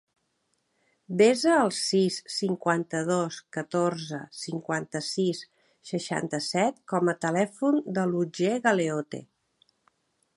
Desa el sis, cinquanta-dos, catorze, cinquanta-sis, seixanta-set com a telèfon de l'Otger Galeote.